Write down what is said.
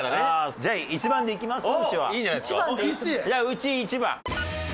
うち１番。